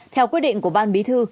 theo quyết định của ban bí thư